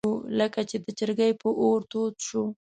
ساړه به یې شوي وو، لکه چې د چرګۍ په اور تود شو.